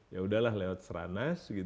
ya udahlah lewat stranas